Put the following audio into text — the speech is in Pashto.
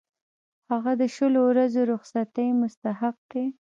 هغه د شلو ورځو رخصتۍ مستحق دی.